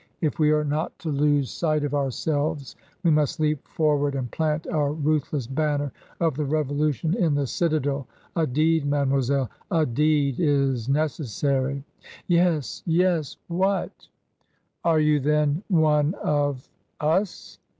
If we are not to lose TRANSITION. 271 sight of ourselves we must leap forward and plant our ruthless banner of the revolution in the citadel. A deed, mademoiselle, a deed is necessary !"" Yes— yes— wA^/f f" "Are you, then, one of — us